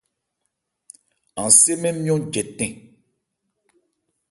An sé mɛn nmyɔ̂n jɛtɛn.